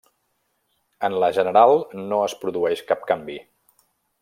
En la general no es produeix cap canvi.